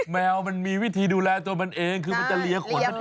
แมวมันมีวิธีดูแลตัวมันเองคือมันจะเลียขนนั่นเอง